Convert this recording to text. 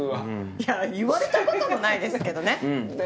いや言われたこともないですけどね。